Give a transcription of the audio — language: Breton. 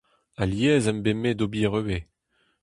Alies em bez me d'ober ivez.